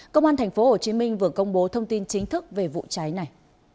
công an tp hcm vừa công bố thông tin chính thức về vụ cháy này